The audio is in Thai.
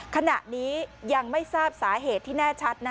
ขณะนี้ยังไม่ทราบสาเหตุที่แน่ชัด